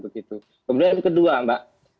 kemudian yang kedua mbak